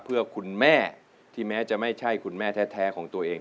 เพื่อคุณแม่ที่แม้จะไม่ใช่คุณแม่แท้ของตัวเอง